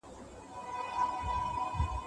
په ښوونځي کي باید د پښتو ژبې کتابونه شتون ولري.